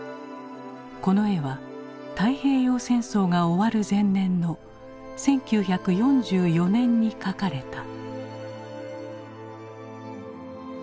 この絵は太平洋戦争が終わる前年の１９４４年に描かれた。